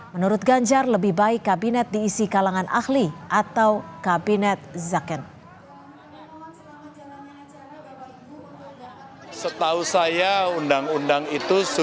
menurut ganjar lebih baik kabinet diisi kalangan ahli